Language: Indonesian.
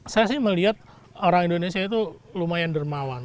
saya sih melihat orang indonesia itu lumayan dermawan